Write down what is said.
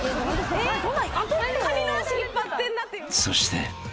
［そして］